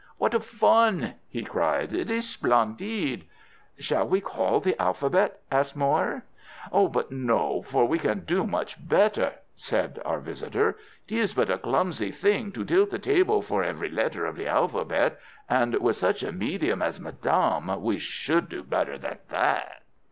"What a fun!" he cried. "It is splendid!" "Shall we call the alphabet?" asked Moir. "But no—for we can do much better," said our visitor. "It is but a clumsy thing to tilt the table for every letter of the alphabet, and with such a medium as madame we should do better than that."